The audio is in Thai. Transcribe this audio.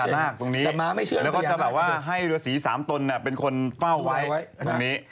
แล้วก็จะแบบว่าให้ศรีสามตนเป็นคนเป้าไว้ตรงนี้